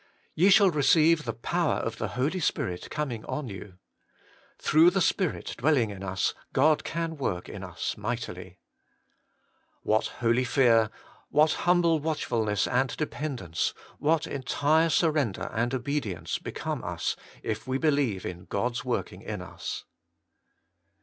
3. ' Ye shall receive the power of the Holy Spirit coming on you.' Through the Spirit dwell ing in us God can work in us mightily. 4. What holy fear, what humble watchfulness and dependence, what entire surrender and obedi ence become us if we believe in God's working in us.